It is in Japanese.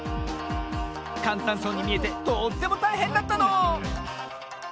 かんたんそうにみえてとってもたいへんだったの！